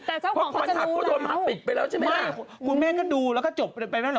แต่เจ้าหวังเขาจะดูแล้วไม่คุณแม่งก็ดูแล้วก็จบไปแล้วเหรอ